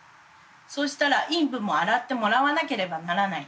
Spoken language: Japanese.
そうしたら陰部も洗ってもらわなければならない。